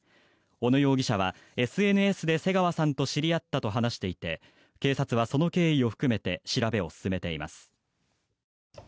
小野容疑者はＳＮＳで瀬川さんと知り合ったと話していて警察はその経緯を含めて調べを進めています。